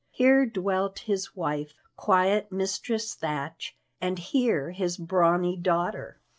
Here dwelt his wife, quiet Mistress Thatch, and here his brawny daughter.